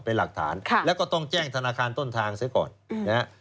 เป็นหลักฐานแล้วก็ต้องแจ้งธนาคารต้นทางซะก่อนนะฮะ